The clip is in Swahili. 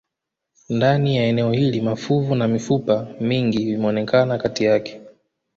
Ndani ya eneo hili mafuvu na mifupa mingi vimeonekana kati yake